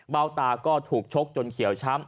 ตาก็ถูกชกจนเขียวช้ำ